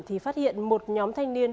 thì phát hiện một nhóm thanh niên